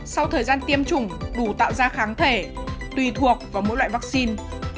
sau thời gian tiêm chủng đủ tạo ra kháng thể tùy thuộc vào mỗi loại vắc xin